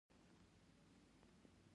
په انتخاباتي دندو کې د مصروفیت پر مهال.